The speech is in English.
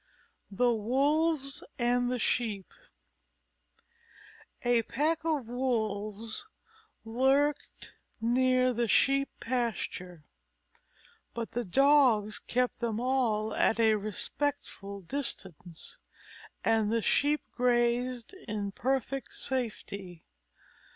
_ THE WOLVES AND THE SHEEP A pack of Wolves lurked near the Sheep pasture. But the Dogs kept them all at a respectful distance, and the Sheep grazed in perfect safety.